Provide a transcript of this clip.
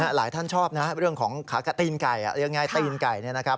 หลายท่านชอบนะเรื่องของตีนไก่หรือยังไงตีนไก่